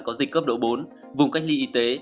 có dịch cấp độ bốn vùng cách ly y tế